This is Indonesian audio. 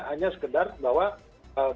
hanya sekedar bahwa berdebat masalah nilai